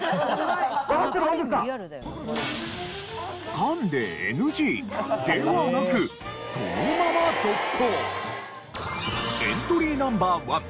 かんでＮＧではなくそのまま続行！